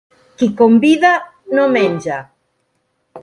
Qui convida, no menja.